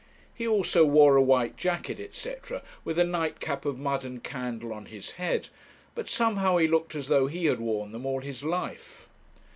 He also wore a white jacket, &c., with a nightcap of mud and candle on his head; but somehow he looked as though he had worn them all his life.